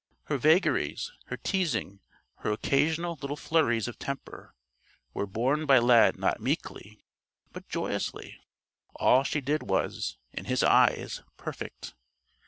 Her vagaries, her teasing, her occasional little flurries of temper, were borne by Lad not meekly, but joyously. All she did was, in his eyes, perfect.